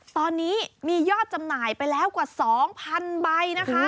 ตอนนี้มียอดจำหน่ายไปแล้วกว่า๒๐๐๐ใบนะคะ